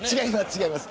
違います。